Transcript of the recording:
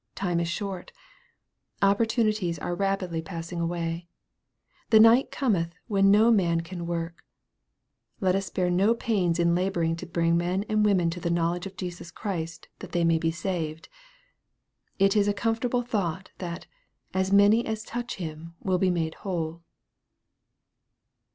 Time is short. Opportunities are rapidly passing away. The night cometh when no man can work. Let us spare no pains in laboring to bring men and women to the knowledge of Jesus Christ, that they may be saved. It is a comfortable thought, that " as many as touch him will be made whole."